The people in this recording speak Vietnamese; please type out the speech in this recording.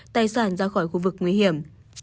tài sản ra khỏi khu vực nguy hiểm